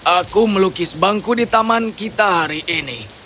aku melukis bangku di taman kita hari ini